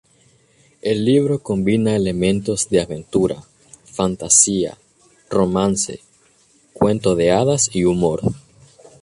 El libro combina elementos de aventura, fantasía, romance, cuento de hadas y humor.